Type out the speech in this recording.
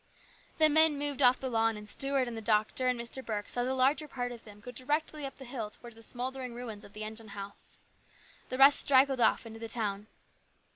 The men moved off the lawn, and Stuart and the doctor and Mr. Burke saw the larger part of them go directly up the hill towards the smouldering ruins of the engine house. The rest straggled off into the town.